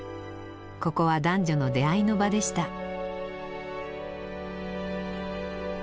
ここは男女の出会いの場でした。